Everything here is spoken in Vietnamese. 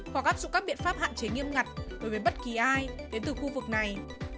hoặc áp dụng các biện pháp hạn chế nghiêm ngặt đối với bất kỳ ai đến từ khu vực này